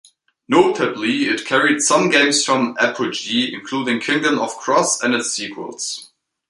Notably, it carried some games from Apogee, including "Kingdom of Kroz" and its sequels.